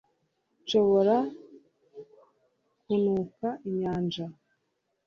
nshobora kunuka inyanja